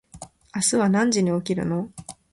明日は何時に起きるの？